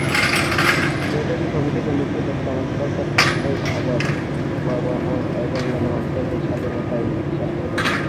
বৈঠকে কমিটি বলেছে, বর্তমান সরকার তথ্যের অবাধ প্রবাহ এবং গণমাধ্যমের স্বাধীনতায় বিশ্বাস করে।